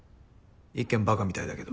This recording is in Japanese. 一見ばかみたいだけど。